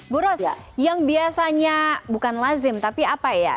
buros yang biasanya bukan lazim tapi apa ya